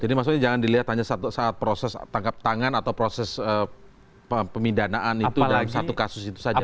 jadi maksudnya jangan dilihat hanya satu saat proses tangkap tangan atau proses pemindanaan itu dalam satu kasus itu saja